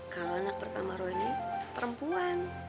kalau anak pertama roh ini perempuan